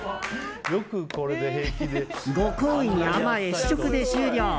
ご厚意に甘え、試食で終了。